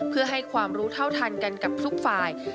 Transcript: เพื่อให้ความรู้เท่าทันกันกับทุกฝ่าย